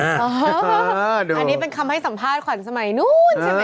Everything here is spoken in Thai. อันนี้เป็นคำให้สัมภาษณ์ขวัญสมัยนู้นใช่ไหม